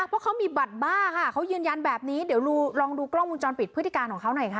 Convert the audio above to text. เพราะเขามีบัตรบ้าค่ะเขายืนยันแบบนี้เดี๋ยวลองดูกล้องวงจรปิดพฤติการของเขาหน่อยค่ะ